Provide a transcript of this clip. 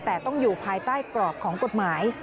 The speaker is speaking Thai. แต่ต้องอยู่ภายใต้กรอบของกฎหมาย